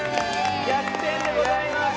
逆転でございます！